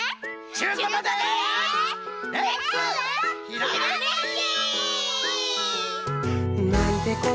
ちゅうことでレッツひらめき！